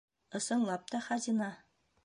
Ысынлап та хазина!